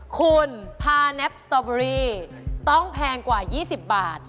คุณพาแนปสตอเบอรี่ต้องแพงกว่า๒๐บาท